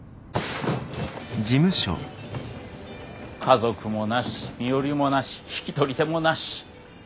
家族もなし身寄りもなし引き取り手もなし。